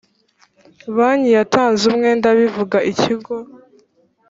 banki yatanze umwenda bivuga ikigo